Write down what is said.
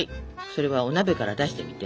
それはお鍋から出してみて。